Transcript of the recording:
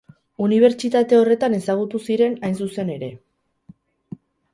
Unibertsitate horretan ezagutu ziren, hain zuzen ere.